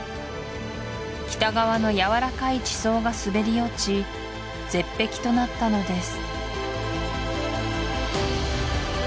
北側のやわらかい地層が滑り落ち絶壁となったのです